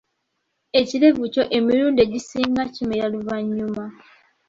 Ekirevu kyo emirundi egisinga kimera luvanyuma.